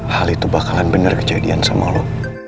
hal itu bakalan bener kejadian sama lo